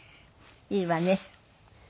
いいわね。